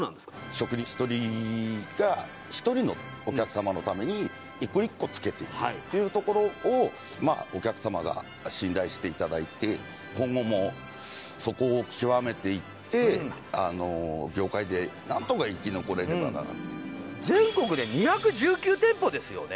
職人１人が１人のお客様のために１個１個つけていくっていうところをまあお客様が信頼していただいて今後もそこを極めていって業界で何とか生き残れればなと全国で２１９店舗ですよね